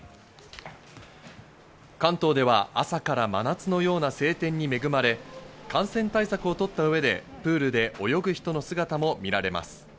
関東では朝から真夏のような晴天に恵まれ、感染対策を取った上で、プールで泳ぐ人の姿も見られます。